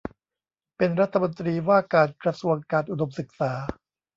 เป็นรัฐมนตรีว่าการกระทรวงการอุดมศึกษา